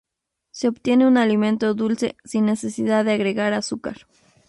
Se obtiene un alimento dulce, sin necesidad de agregar azúcar.